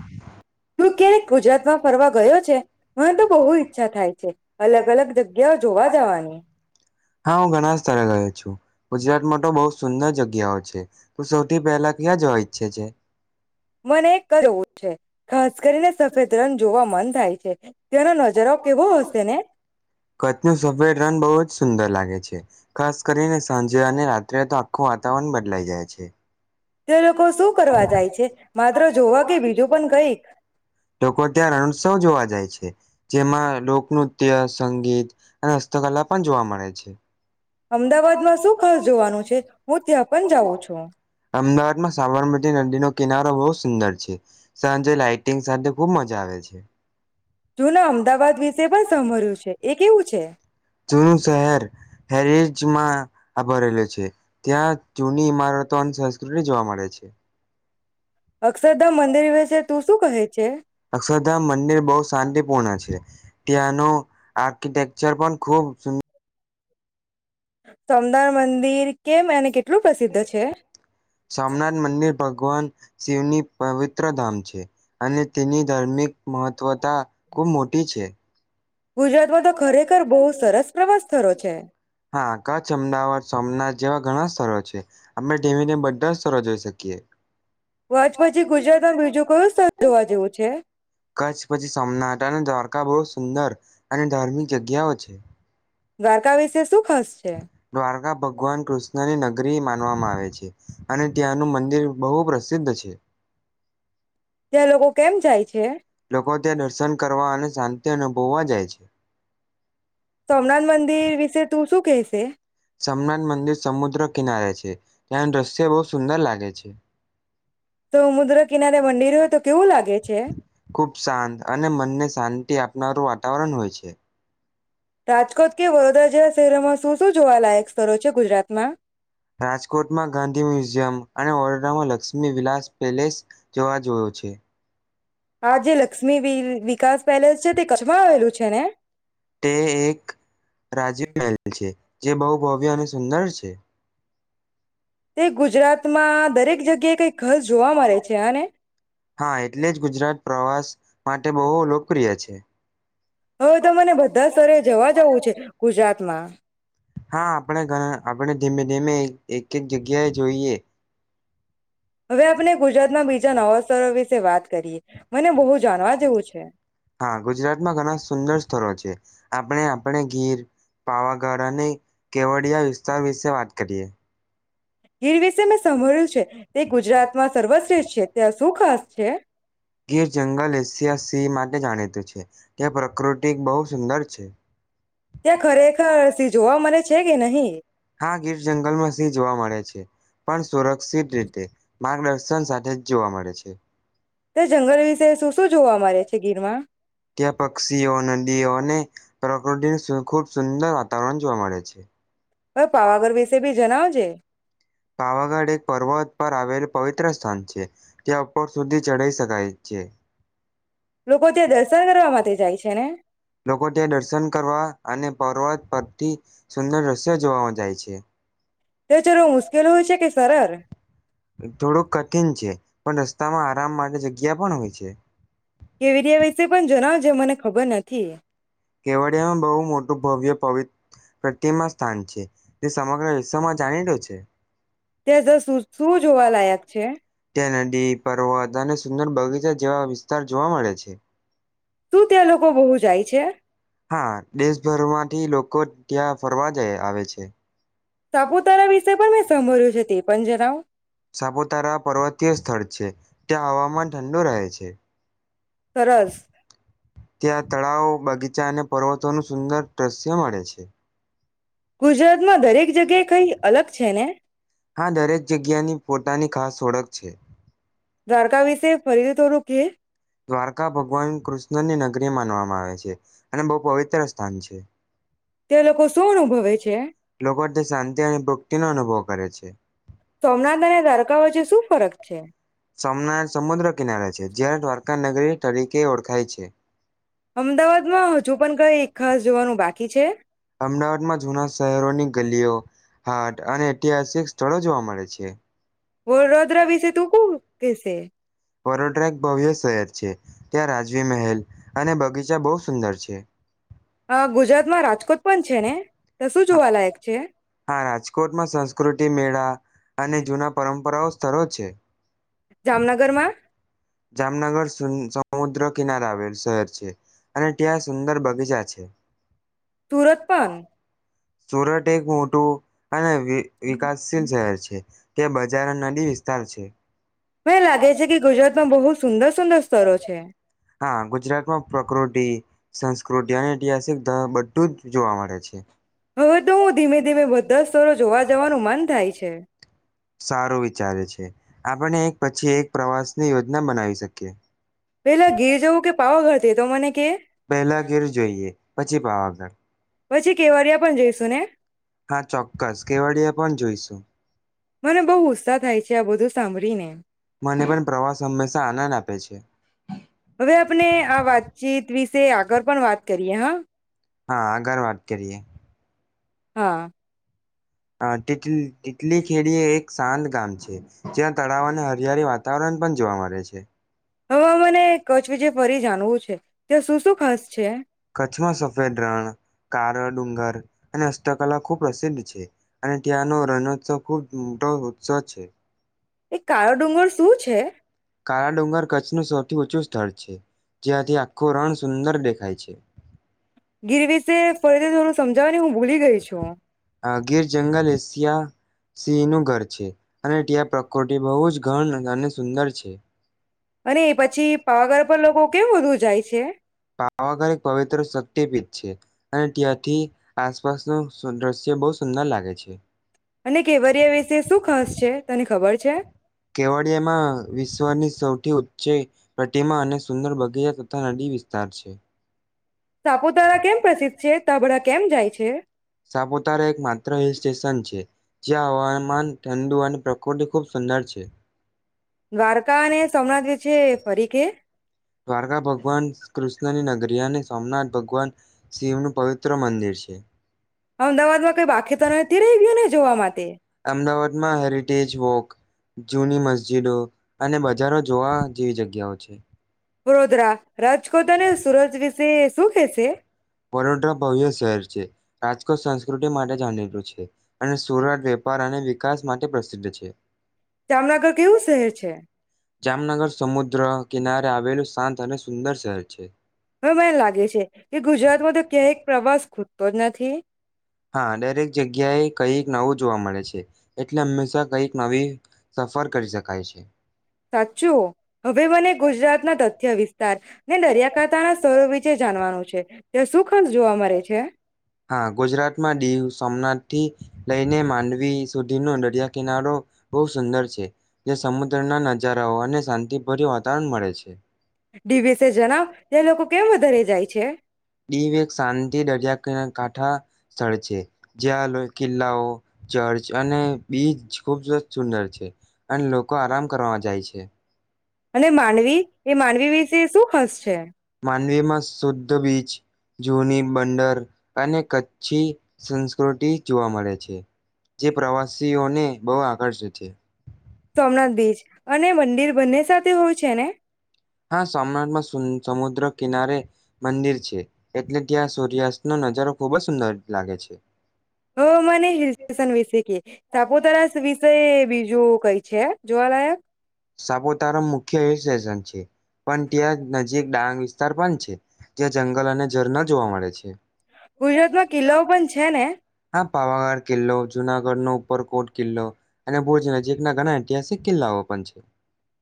હ. તું ક્યારેક ગુજરાતમાં ફરવા ગયો છે. મને તો બહુ ઈચ્છા થાય છે અલગ-અલગ જગ્યાઓ જોવા જવાની. છુ. ગુજરાતમાં તો બહુ સુંદર જગ્યાઓ છે. તું સૌથી પહેલા ક્યાં જવા ઈચ્છે છે? મને કરો ખાસ કરીને સફેદ રણ જોવા મન થાય છે. ત્યાંનો નજારો કેવો હશે ને કચ્છ નું સફેર રન બહુ જ સુંદર લાગે છે. છે. ખાસ કરીને સાંજે અને રાત્રે તો આખું વાતાવરણ બદલાઈ જાય છે. તે લોકો શું કરવા જાય છે માત્ર જોવા કે બીજું પણ કઈ લોકો ત્યાં રણોત્સવ જોવા જાય છે. જેમાં લોકનૃત્ય સંગીત અને હસ્તકલા પણ જોવા મળે છે. અમદાવાદમાં શું ખાસ જોવાનું છે? હું ત્યાં પણ જાઉ છું. માં સાબરમતી નદીનો કિનારો બહુ સુંદર છે. સાંજે લાાઈટિંગ સાથે ખુબ મજા આવે છે. જોને અમદાવાદ વિશે પણ સાંભર્યું છે એ કેવું છે? જૂનું શહેર હેરિજમાં આ ભરેલી છે. ત્યાં જૂની ઇમારત તોંધ સંસ્કૃતિ જોવા મળે છે. અક્ષરધામ મંદિર વિશે તું શું કહે? છે અક્ષરધામ મંદિર બહુ શાંતિ પૂર્ણ છે. ત્યાંનું આર્કિટેક્ચર પણ ખુબ સુંદ સોમદથ મંદિર કેમ અને કેટલું પ્રસિદ્ધ છે? સોમનાથ મંદિર ભગવાન શિવની પવિત્ર ધામ છે અને તેની ધાર્મિક મહત્વતા ખૂબ મોટી છે. ગુજરાતમાં તો ખરેખર બહુ સરસ પ્રવાસ સ્થરો છે. હા કચ્છ, અમદાવાદ, સોમનાથ જેવા ઘણા સ્થળ છે આપણે ધીમી ધીમ બધા સ્થરો જોઈ શકીએ. કચ્છ પછી ગુજરાતમાં બીજું કયું સ્થળ જોવા જેવું છે કચ્છ પછી સોમનાથ અને દ્વારકા બહુ સુંદર અને ધાર્મિક જગ્યાઓ છે. દ્વારકા વિશે શું ખાસ? છે. આખા ભગવાન કૃષ્ણની નગરી માનવામાં આવે છે અને ત્યાંનું મંદિર બહુ પ્રસિદ્ધ છે. ત્યાં લોકો કેમ જાય છે લોકો ત્યાં દર્શન કરવા અને શાંતિ અનુભવુવા જાય છે. સોમનાથ મંદિર વિશે તું શું કહે સે. સમનાથ મંદિર સમુદ્ર કિનારે છે. ત દૃશ્ય બહુ સુંદર લાગે છે. તો મુદ્રક કિનારે મંંદિર હોય તો કેવું લાગે છે. ખૂબ શાંત અને મનને શાંતિ આપનારું વાતાવરણ હોય છે. રાજકોટ કે વડોદરા જેવા શહેરોમાં શું શું જોવાલાયક સ્થળ છે ગુજરાત મા. રાજકોટમાં ગાંધી મ્યુઝિયમ અને ઓરોદમાં લક્ષ્મી વિલાસ પેલેસ જવા જોયો છે. આ જે લક્ષ્મી વી વિકાસ પેલેસ છે તે કચ્છમાં આવેલું છે ને તે એક રાજ્યમહલ છે જે બહ ભવ્ય અને સુ સુંદર છે. તે ગુજરાતમાં દરેક જગ્યાએ કઈ ખાસ જોવા મળે છે અને હા એટલે જ ગુજરાત પ્રવાસ માટે બહુ લોકપ્રિય છે. હવે તો મને બધા સ્તરે જવા જવું છે ગુજરાતમાં. હા આપડે ઘણા આ આપણે ધીમે ધીમે એક-એક જગ્યાએ જોઈએ. હવે આપણે ગુજરાતના બીજા નવા સ્તરો વિશે વાત કરીએ મને બહુ જાણવા જેવું છે હા ગુજરાતમાં ઘણા સુંદર સ્થળો છે. આપણે આપણે ગીર. પાવાગઢ અને કેવડિયા વિસ્તાર વિશે વાત. કરીએ. ગીર વિશે મેં સાભળ્યું છે, તે ગુજરાતમાં સર્વશ્રેષ્ઠ છે, ત્યાં શું ખાસ છે? ગીર જંગલ એશિયા સી. માટે જાણીતું છે તે પ્રકૃતિ બહુ સુંદર છે. ત્યાં ખરેખર સિંહ જોવા મળે છે કે નહીં હા ગીર જંગલમાં સિંહ જોવા મળે છે, પણ સુરક્ષિત રીતે. માર્ગદર્શન સાથે જ જોવા મળે છે. તે જંગલ વિશે શું શું જોવા મરે? તે ગીરમાં. ત્યાં પક્ષીઓ, નદીઓ. ને પ્રકૃતિ સુ ખૂબ સુંદર વાતાવરણ જોવા મળે છે. હવે પાવાગઢ વિશે બી જણાવજે. પાવાગઢ એક પર્વત પર આવેલ પવિત્ર સ્થાન છે. ત્યાં ઉપર સુધી ચઢી શકાય છે. લોકો ત્યાં દર્સન કરવા માટે જાય છે ને? લોકો ત્યાં દર્સન કરવા, અને પર્વત પરથી સુંદર દૃશ્યો જોવામાં જાય છે. ત્યાં ચલો મુશ્કેલ હોય છે કે સરળ થોડું કઠિન છે. પણ રસ્તામાં આરામ માટે જગ્યા પણ હોય છે. કેવિડિયા વિસે પણ જણાવજે, મને ખબર નથી. કેવડિયામાં બહુ મોટું ભવ્ય પવિ પ્રતિમા સ્થાન છે, તે સમગ્ર વિશ્વમાં જાણીતું છે. છે. [unintelligible] શું જોવાલાયક છે? ત્યાં નદી, પર્વત અને સુંદર બગીચા જેવા વિસ્તાર જોવા મળે છે. શું ત્યાં લોકો બહુ જાય છે? હા દેશભરમાંથી લોકો ત્યાં ફરવા જાય આવે છે. સાપુતારા વિશે પણ મેં સાંભળ્યું છે તે પણ જણાવો? સાપુતારા પર્વતીય સ્થળ છે, ત્યાં હવામાન ઠંડુ રહે છે. એ. સરસ. ત્યાં તળાવ, બગીચા અને પર્વતોનું સુંદર દ્રશ્ય મળે છે. ગુજરાતમાં દરેક જગ્યાએ કઈ અલગ છે ને? હા દરેક જગ્યાની પોતાની ખાસ ઓળખ છે. દ્વારકા વિશે ફરીથી થોડું કે દ્વારકા ભગવાન કૃષ્ણની નગરી માનવામાં આવે છે અને બહુ પવિત્ર સ્થાન છે. તે લોકો શું અનુભવે છે. લોકો શાંતિ અને ભક્તિનો અનુભવ કરે છે. સોમનાથ અને દ્વારકા વચ્ચે શું ફરક છે? સોમનાથ સમુદ્ર કિનારે છે. [unintelligible] નગરી તરીકે ઓળખાય છે. અમદાવાદમાં હજુ પણ કઈ ખાસ જોવાનું બાકી છે? અમદાવાદમાં જુના શહેરોની ગલીઓ હાટ અને ઈતિહાસ સ્થળો જોવા મળે છે. વ રોદ્ર વિશે તું ક કેસે વડોદરા એક ભવ્ય શહેર છે ત્યાં રાજવી મહેલ અને બગીચા બહુ સુંદર છે હા ગુજરાતમાં રાજકોટ પણ છે ને ત્યાં શું જોવાલાયક છે? હા રાજકોટમાં સંસ્કૃત ટીમ્બા અને જૂના પરંપરાઓ સ્થળો છે. જામનગરમાં જામનગર સમુદ્ર કિનારે આવેલું શહેર છે અને ત્યાં સુંદર બગીચા છે. સુરત પણ સુરત એક મોટું અને વિકાસશીલ શહેર છે. કે બજાર નદી વિસ્તાર છે. મં લાગે છે કે ગુજરાતમાં બહુ સુંદર સુંદર. સ્થળો છે. હા ગુજરાતમાં પ્રકૃતિ. સંસ્કૃતિ અને ઐતિહાસિક ધ બધું જ જોવા મળે છે. હવે તો હું ધીમે ધીમે બધા સ્થળો જોવા જવાનું મન થાય છે સારું વિચારે છે. આપણે એક પછી એક પ્રવાસ ની યોજના બનાવી શકીએ. પેલા ગીર જવું કે પાવાગઢ એ તો મને કે પેલા ઘેર જોઈએ. પછી પાવાાર. પછી કેવરિયા પણ જઈશુ ને. હા ચોક્કસ કેવડીએ પણ જોઈશું. મને બહુ ઉત્સાહ છે આ બધું સાંભળી ને. મને પણ પ્રવાસ હંમેશા આનંદ આપે છે. હવે આપણે આ વાતચીત વિશે આગળ પણ વાત કરીએ હા. હા આગળ વાત કરીએ. હા. હા તેથી. એટલી ખેડી એક. શાંત ગામ છે, જ્યાં તળાવ અને હરિયાળી વાતાવરણ પણ જોવા મળે છે. હવે મને કચ્છ વિશે ફરી જાણવું છે ત્યાં શું શું ખાસ છે કચ્છમાં સફેદ રણ કાર. ડુંગર અને હસ્તકલા ખૂબ પ્રસિદ્ધ છે, અને ત્યાંનો રણોત્સવ ખૂબ મોટો ઉત્સવ છે. એ કાળો ડુંગર શું છે? કાળા ડુંગર કચ્છનું સૌથી ઊંચું સ્થળ છે, જ્યાંથી આખું રણ સુંદર દેખાય છે. ગીર વિશે ફરીથી થોડું સમજાવવાની હું ભૂલી ગઈ છું હ ગીર જંગલ એશિયા સિંહ નું ઘર છે, અને ત્યાં પ્રકૃતિ બહુ જ ઘન અને. સુંદર છે. અને એ પછી પાવાગઢ પર લોકો કેમ વધુ જાય છે પાવાગઢ એક પવિત્ર શક પીઠ છે અને ત્યાંથી આસપાસનું દ્રશ્ય બહુ સુંદર લાગે છે. અને કેવરિયા વિશે શું ખાસ છે તને ખબર છે કેવડિયામાં વિશ્વની સૌ થી ઉંચ પ્રતિમા અને સુંદર બગ ગયા તથા નદી વિસ્તાર છે. સાપુતારા કેમ પ્રસિદ્ધ છે તા બડા કેમ જાય છે? સાપુતારા એક માત્ર હિલ સ્ટેશન છે, જ્યાં હવામાન. ઠંડું અને પ્રકૃતિ ખૂબ સુંદર છે. દ્વારકા અને સોમનાથ વ્ચે ફરી કે દ્વારકા ભગવાન કૃષ્ણની નગરી, અને સોમનાથ ભગવાન શિવનું પવિત્ર મંદિર છે. અમદાવાદ માં કઈ બાકી તો નથી રેઈ ગયો ને જોવા માટે? અમદાવાદમાં હેરિટેજ વોક, જૂની મસ્જિદો અને બજારો જોવા જેવી જગ્યાઓ છે. વડોદરા. રાજકોટ અને સુરજ વિશે શું કે છે? બરોદ્વરા ભહ્ય શહેર છે. રાજકોટ સંસ્કૃ માટે જાણીતું છે અને સુરત વેપાર અને વિકાસ માટે પ્રસિદ્ધ છે. જામનગર કેવું શહેર છે. જામનગર સમુદ્ર કિનારે આવેલું શાંત અને સુંદર શહેર છે. હવે મને લાગે છે કે ગુજરાતમાં તો ક્યાંય પ્રવાસ ખુદતો જ નથી. નથી. હા દરેક જગ્યાએ કઈક નવું. જોવા મળે છે એટલે હંમેશા કઈક નવી. સફર કરી શકાય છે સાચું હવે મને ગુજરાત ના તથ્ય વિસ્તાર. ને દરિયાકાંઠાના સ્થળો વિશે જાણવાનું છે ત્યાં શું ખર્ચ જોવા મળે છે [unintelligible] હા ગુજરાતમાં દીવ સોમનાથ થી લઈને માંડવી. સુધ ન નરિયા કિનારો. બહુ સુંદર છે. જે સમુદ્રના નજારાઓ અને શાંતિભર વાતાવરણ મળે છે. ડીવીએસ એ. જણાવ તે લોકો કેમ વધારે જાય છે. દી વ એક શાંતિ દરિયા. કાંઠા સ્થળ છે. જ્યાં લો કિલ્લાઓ ચર્ચ અને બીજ. ખૂબ સરત સુંદર છે અને લોકો આરામ કરવા જાય છે. અને માનવી એ માનવી વિશે શું ખાસ છે? નવી માં શુદ્ધ બીચ જૂની બંદર. અનેને કચ્છી. સંસ્કૃતિ જોવા મળે છે જે પ્રવાસીઓને બહુ આકર્ષે છે. સોમનાથ બીચ. અને મંદિર બને સ સાથે હોય છે ને? હા સોમનાથમાં સું-સમુદ્ર કિનારે મંદિર છે એટલે ત્યાં સૂર્યાસ્ત નો નજારો ખુબ જ સુંદર લાગે છે. હ મને હિલ [unintelligible] વિશે કે સાપુતારા વિશે બીજું કઈ છે જોવાલાયક? સાપુતારા મુખ્ય હિલ સ્ટેશન છે. પણ ત્યા નજીક ડાંગ. સ્તાર પણ છે. ત્યાં જંગલ અને ઝરણાં જોવા મળે છે. ગુજરાતમાં કિલ્લાઓ પણ છે ને? પાવાહર કિલ્લો જુનાગઢનો ઉપરકોટ કિલ્લો અને ભુજ નજીકના ઘણા ઐતિહાસિક કિલ્લાઓ પણ છે.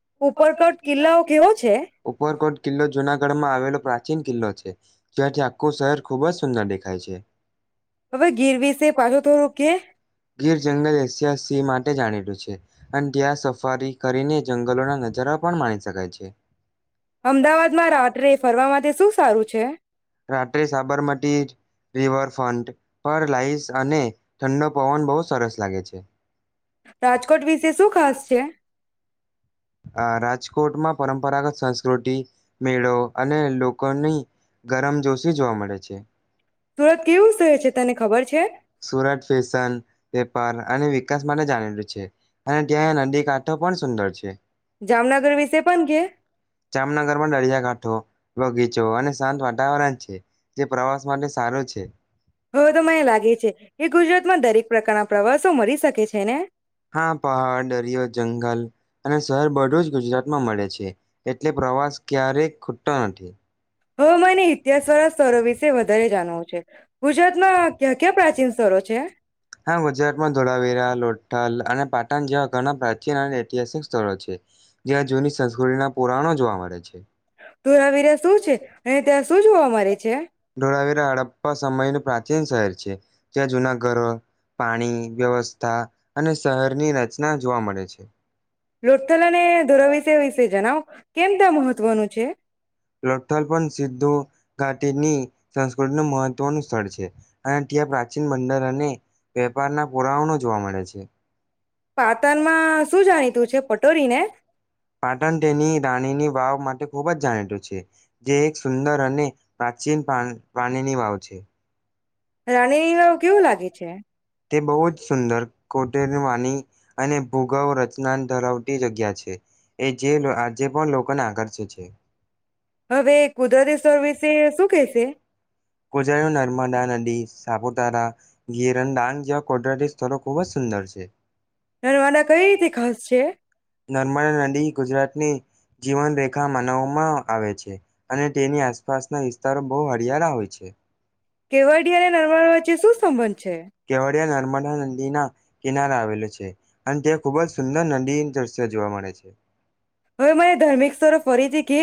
[inaudible] ઉપરકોટ કિલ્લાઓ કેવો છે? ઉપરકોટ કિલ્લો જુનાગઢમાં આવેલો પ્રાચીન કિલ્લો છે જ્યાંથી આખું શહેર ખુબ જ સુંદર દેખાય છે. [inaudible] હવે ગીર વિશે પાછું થોડું કે ગીર જંગલ [unintelligible] એ માટે જાણીતું છે અન ત્યાં સફારી કરીને જંગલોના નજારા પણ માણી શકાય છે. અમદાવાદમાં રાત્રે ફરવા માટે શું સારું છે? રાત્રે સાબરમતી જ રિવરફ્રન્ટ પર લાઈસ અને ઠંડો પવન બહુ સરસ લાગે છે. રાજકોટ વિશે શું ખાસ છે? આ રાજકોટમાં પરંપરાગત સંસ્કૃતિ મેળો અને લો કોની ગરમ જોશી જોવા મળે છે. સુરત કેવું શહેર છે તને ખબર છે સુરત. ફેશન, વેપાર અને વિકાસ માટે જાણેલું છે. અને ત્યાં નદી કાઢ તો પણ સુંદર છે. જામનગર વિશે પણ કે? જામનગરમાં દરિયાકાાંઠો, બગીચો અને શાંત વાતાવરણ છે તે પ્રવાસ માટે સારો છે. હ એ તો મને લાગે છે એ ગુજરાત માં દરેક પ્રકારના પ્રવાસો મરી શકે છે ને? હા પહાડ દરિયો જંગલ અને શહેર બધું જ ગુજરાતમાં મળે છે, એટલે પ્રવાસ ક્યારેય ખૂટતો નથી. હવે મને ઇતિહાસવાળા સ્તરો વિશે વધારે જાણવું છે. ગુજરાતમાં ક્યાં ક્યાં પ્રાચીન સ્તરો છે? હા ગુજરાતમાં ધોળવેરા લો ઠાલ અને પાટણ જેવા ઘણા પ્રાચીન અને ઐતિહાસિક સ્થળો છે, જ્યાં જૂની સંસ્કૃતિના પુરાણો જોવા મળે છે. ધોરાવીરા શું છે અને ત્યાં શું જોવા મળે છે? ઢોળાવીરા હડ સમય નું પ્રાચીન શહેર છે. ત્યાં જુના ધર પાણી, વ્યવસ્થા અને શહેરની રચના જોવા મળે છે. લોથલ અને ધોર વિશે વિશે જણાવ કેમ ત્યાં મહત્વનું છે? લોઠલ પણ સિધુ ઘાટીની સંસ્કૃતિ ન મહત્વનું સ્થળ છે. અને ત્યાં પ્રાચીન બંદર અને પેપર ના પુરાવાનો જોવા મળે છે. પાતણમાં શું જાણીતું છે. પટોરી ને પાટણ તેની રાણીની વાવ માટે ખૂબ જ જાણીતું છે. જે એક સુંદર અને પ્રાચીન પાણીની વાવ છે. રાણીવ કેવું લાગે છે? તે બહુ જ સુંદર. કોટે વાની અને ભૂગવ રચના ધરાવતી જગ્યા છે, એ જે આજે પણ લોકોને આકર્ષે છે. હવે કુદરતી સર્વિસે શું કહેશે. ગુજરાતમા નર્મદા નદી, સાપુતારા ગીરન્ન જેવા કોડરતી સ્થળ ખુબ જ સુંદર છે. નાનું આના કઈ રીતે ખાસ છે. નર્મદા નદી ગુજરાતની જીવનરેેખા માનાવવામાં આવે છે. અને તેની આસપાસના વિસ્તારો બહુ હરિયાળા હોય છે. કેવડી અને નર્મદ વચ્ચે શું સંબંધ છે? નર્મદા નદી ના કિનારે આવેલો છે. અને તે ખુબ જ સુંદર નદી દ્રશ્ય જોવા મળે છે. હવે મને ધાર્મિક સ્થળ ફરીથી કે.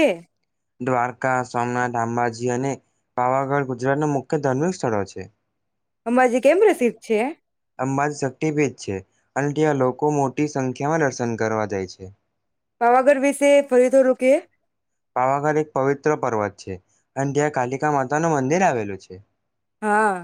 દ્વારકા, સોમનાથ, અંબાજી અને પાવાગઢ ગુજરાતના મુખ્ય ધાર્મિક સ્થળો છે. અંજી કેમ રસીદ છે. અંબાદ શક્તિભેદ છે. અને ત્યાં લોકો મોટ મોટી સંખ્યામાં દર્શન કરવા જાય છે. પાવાગઢ વિશે ફરી થોડું કેએ. પાવાગઢ એક પવિત્ર પર્વત છે. અને ત્યાં કાલિકા માતા નું મંદિર આવેલું છે. હા.